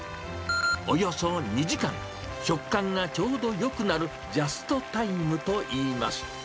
およそ２時間、食感がちょうどよくなるジャストタイムといいます。